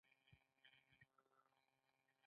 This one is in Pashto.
د علامه رشاد لیکنی هنر مهم دی ځکه چې اعتبار لوړوي.